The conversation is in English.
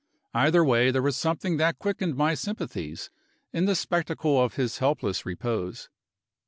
Either way, there was something that quickened my sympathies, in the spectacle of his helpless repose.